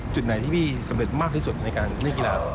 จุดไหนที่พี่สำเร็จมากที่สุดในการเล่นกีฬา